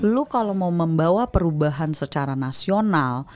lu kalau mau membawa perubahan secara nasional